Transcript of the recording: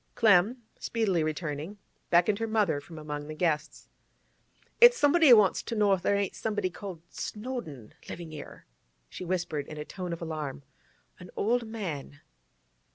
Clem, speedily returning, beckoned her mother from among the guests. 'It's somebody wants to know if there ain't somebody called Snowdon livin' 'ere,' she whispered in a tone of alarm. 'An old man.